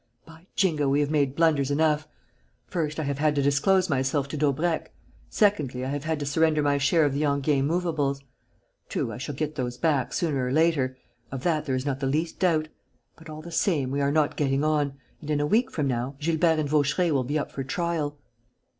By Jingo, we have made blunders enough! First, I have had to disclose myself to Daubrecq. Secondly, I have had to surrender my share of the Enghien movables. True, I shall get those back, sooner or later; of that there is not the least doubt. But, all the same, we are not getting on; and, in a week from now, Gilbert and Vaucheray will be up for trial."